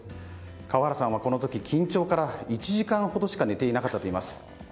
川原さんはこの時、緊張から１時間ほどしか寝ていなかったといいます。